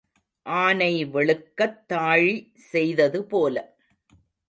ஆனை வெளுக்கத் தாழி செய்தது போல.